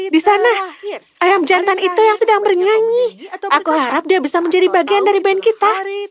di sana ayam jantan itu yang sedang bernyanyi aku harap dia bisa menjadi bagian dari band kita